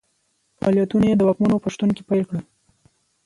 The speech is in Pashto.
فعالیتونه یې د واکمنو په شتون کې پیل کړل.